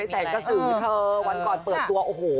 แสงกระสือเธอวันก่อนเปิดตัวโอ้โห